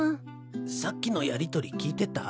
さっきのやりとり聞いてた？